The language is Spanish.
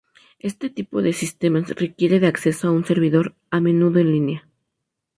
Este tipo de sistemas requiere de acceso a un servidor, a menudo en línea.